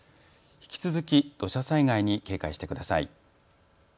引き続き土砂災害に警戒してください。